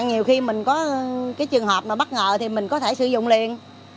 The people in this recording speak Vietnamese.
nhiều khi mình có cái trường hợp mà bất ngờ thì mình có thể sử dụng liền